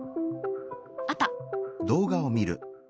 あった。